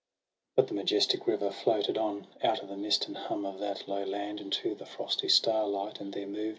But the majestic river floated on, Out of the mist and hum of that low land; Into the frosty starlight, and there moved.